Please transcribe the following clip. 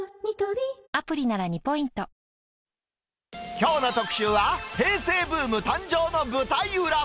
きょうの特集は、平成ブーム誕生の舞台裏。